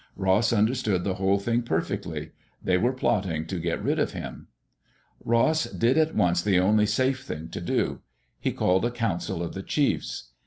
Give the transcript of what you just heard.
Ross understood the whole thing perfectly. They were plotting to get rid of him. Ross did at once the only safe thing to do. He called a council of the chiefs.